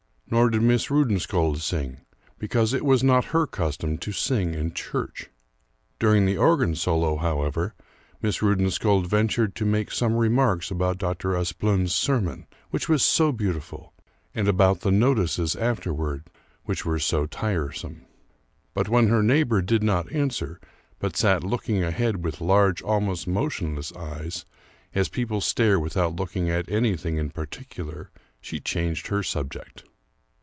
Nor did Miss Rudensköld sing, because it was not her custom to sing in church. During the organ solo, however, Miss Rudensköld ventured to make some remarks about Dr. Asplund's sermon which was so beautiful, and about the notices afterward which were so tiresome. But when her neighbor did not answer, but sat looking ahead with large, almost motionless eyes, as people stare without looking at anything in particular, she changed her subject.